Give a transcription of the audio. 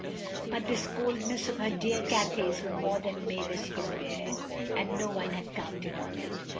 But this coldness of her dear Cathay's was more than Mavis could bear, and no one had counted on it.